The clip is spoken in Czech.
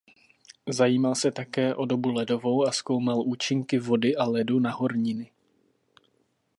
Zajímal se také o dobu ledovou a zkoumal účinky vody a ledu na horniny.